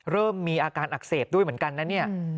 เริ่มมีอาการอักเสบด้วยเหมือนกันนะเนี่ย